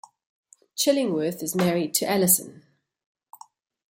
Chillingworth is married to Alison.